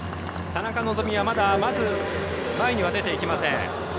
田中希実はまず、前には出ていきません。